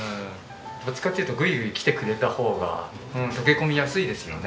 どっちかっていうとグイグイきてくれた方が溶け込みやすいですよね。